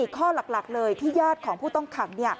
ข้อหลักเลยที่ญาติของผู้ต้องขัง